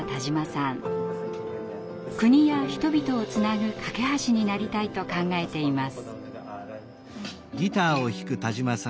国や人々をつなぐ懸け橋になりたいと考えています。